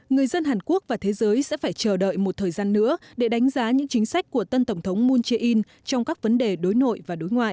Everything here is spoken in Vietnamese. người dân hàn quốc và thế giới sẽ phải chờ đợi một thời gian nữa để đánh giá những chính sách của tân tổng thống moon jae in trong các vấn đề đối nội và đối ngoại